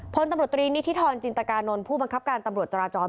พลตำรวจตรีนิธิธรจินตกานนท์ผู้บังคับการตำรวจจราจร